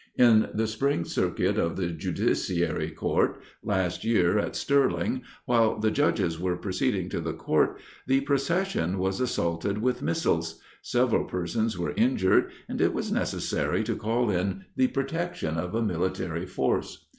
In the spring circuit of the justiciary court last year at Stirling, while the judges were proceeding to the court, the procession was assaulted with missiles; several persons were injured, and it was necessary to call in the protection of a military force.